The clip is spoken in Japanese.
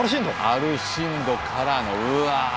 アルシンドからのうわ。